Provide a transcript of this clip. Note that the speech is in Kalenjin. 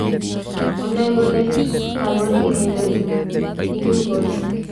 Onai ole kagorik inendet ni kurgotik